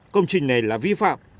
công trình này là vi phạm